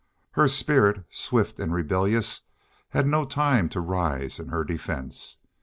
Her spirit, swift and rebellious, had no time to rise in her defense.